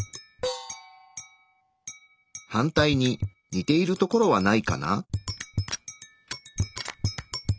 反対に似ているところはないかな？